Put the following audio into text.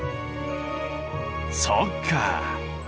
そっか！